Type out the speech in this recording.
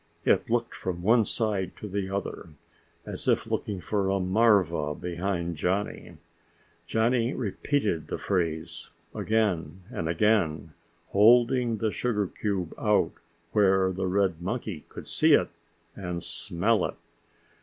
It looked from one side to the other, as if looking for a marva behind Johnny. Johnny repeated the phrase again and again, holding the sugar out where the red monkey could see it and smell it.